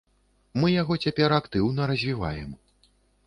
Мы яго цяпер актыўна развіваем.